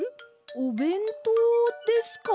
おべんとうですか？